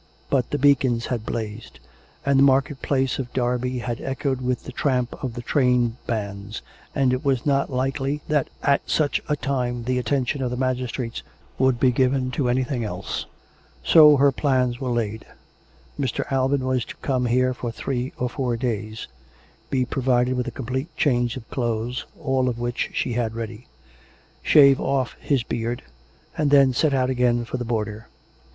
But the beacons had blazed; and the market place of Derby had echoed with the tramp of the train bands; and it was not likely that at such a time the attention of the magistrates would be given to anything else. So her plans were laid. Mr. Alban was to come here for three or four days; be provided with a complete change of clothes (all of which she had ready) ; shave off his beard; and then set out again for the border.